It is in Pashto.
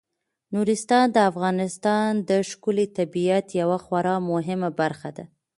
نورستان د افغانستان د ښکلي طبیعت یوه خورا مهمه برخه ده.